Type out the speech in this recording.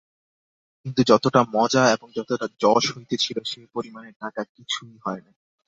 কিন্তু যতটা মজা এবং যতটা যশ হইতেছিল সে পরিমাণে টাকা কিছুই হয় নাই।